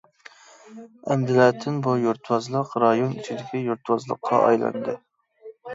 ئەمدىلەتىن بۇ يۇرتۋازلىق رايون ئىچىدىكى يۇرتۋازلىققا ئايلاندى.